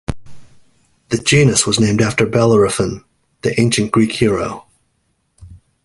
The genus was named after Bellerophon, the ancient Greek hero.